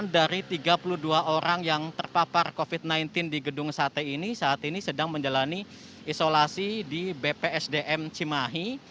sembilan dari tiga puluh dua orang yang terpapar covid sembilan belas di gedung sate ini saat ini sedang menjalani isolasi di bpsdm cimahi